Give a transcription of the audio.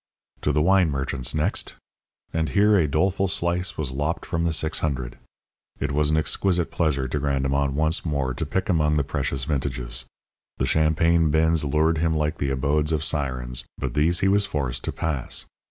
To the wine merchants next; and here a doleful slice was lopped from the six hundred. It was an exquisite pleasure to Grandemont once more to pick among the precious vintages. The champagne bins lured him like the abodes of sirens, but these he was forced to pass.